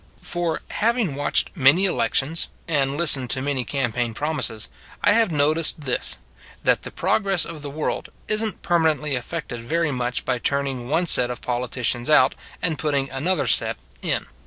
For, having watched many elections and listened to many campaign promises, I have noticed this that the progress of 73 74 It s a Good Old World the world is n t permanently affected very much by turning one set of politicians out and putting another set in.